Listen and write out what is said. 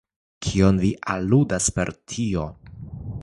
Kion vi aludas per tio?